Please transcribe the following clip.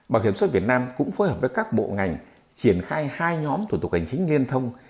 bảo hiểm xuất việt nam cũng phối hợp với các bộ ngành triển khai hai nhóm thủ tục hành chính liên thông